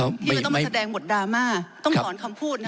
ที่เราต้องมาแสดงบทดราม่าต้องถอนคำพูดนะ